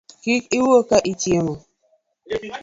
Kik iwuo ka ichiemo